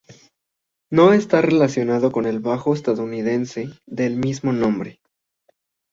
No está relacionado con el bajo estadounidense del mismo nombre.